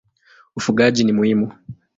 Ufugaji ni muhimu.